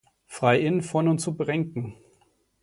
Freiin von und zu Brenken.